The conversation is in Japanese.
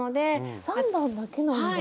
３段だけなんだ。